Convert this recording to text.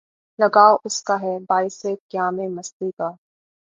لگاؤ اس کا ہے باعث قیامِ مستی کا